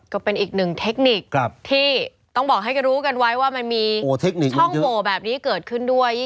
ก็เป็นอีกหนึ่งเทคนิคที่ต้องบอกให้รู้กันไว้ว่ามันมีช่องโหวแบบนี้เกิดขึ้นด้วย